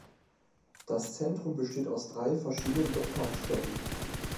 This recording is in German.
Das Zentrum besteht aus drei verschiedenen Wettkampfstätten.